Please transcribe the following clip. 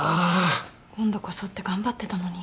今度こそって頑張ってたのに。